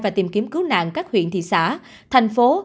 và tìm kiếm cứu nạn các huyện thị xã thành phố